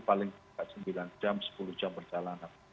paling tidak sembilan jam sepuluh jam perjalanan